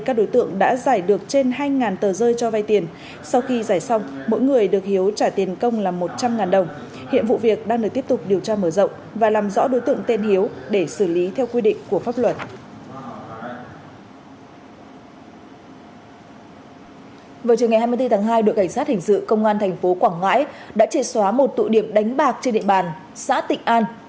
vào trường ngày hai mươi bốn tháng hai đội cảnh sát hình sự công an thành phố quảng ngãi đã chê xóa một tụ điểm đánh bạc trên địa bàn xã tịnh an